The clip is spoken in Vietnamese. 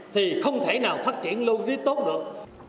thì không thể nào phát triển lưu trí tốt được